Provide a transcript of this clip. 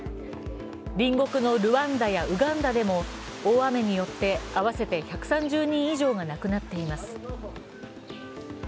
隣国のルワンダやウガンダでも大雨によって合わせて１３０人以上が亡くなっています。